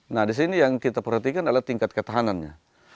nah di sini yang kita perhatikan adalah tingkat ketahanannya